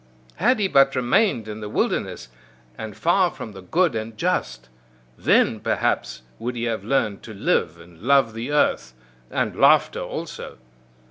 Had he but remained in the wilderness, and far from the good and just! Then, perhaps, would he have learned to live, and love the earth and laughter also!